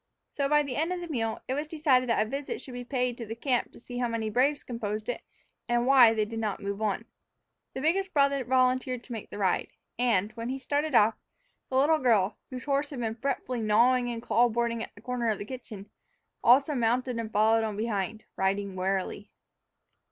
So, by the end of the meal, it was decided that a visit should be paid the camp to see how many braves composed it, and why they did not move on. The biggest brother volunteered to make the ride, and, when he started off, the little girl, whose horse had been fretfully gnawing the clapboarding at the corner of the kitchen, also mounted and followed on behind, riding warily.